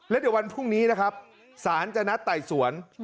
เด็กวันพรุ่งนี้นะครับศาลจะนัดไต่สวน